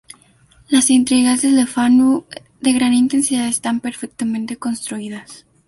Las intrigas de Le Fanu, de gran intensidad, están perfectamente construidas.